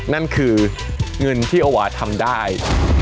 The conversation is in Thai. นั่นคือเงินที่โอวาทำได้